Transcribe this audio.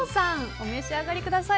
お召し上がりください。